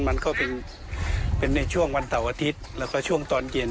มันก็เป็นในช่วงวันเสาร์อาทิตย์แล้วก็ช่วงตอนเย็น